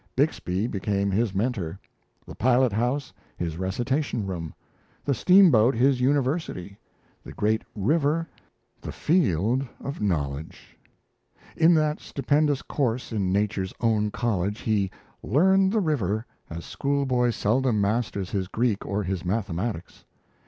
Bixby became his mentor, the pilot house his recitation room, the steamboat his university, the great river the field of knowledge. In that stupendous course in nature's own college, he "learned the river" as schoolboy seldom masters his Greek or his mathematics.